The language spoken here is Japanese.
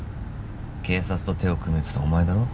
警察と手を組めっつったのはお前だろ？